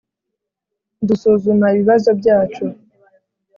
dusuzuma ibibazo byacu,